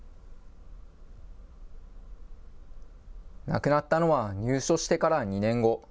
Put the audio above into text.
亡くなったのは入所してから２年後。